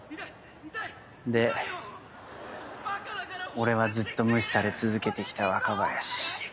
俺はずっと無視され続けてきた若林。